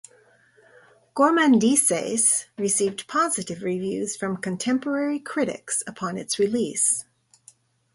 "Gourmandises" received positive reviews from contemporary critics upon its release.